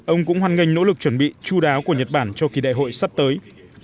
ông cũng hoan nghênh nỗ lực chuẩn bị chú đáo của nhật bản cho kỳ đại hội sắp tới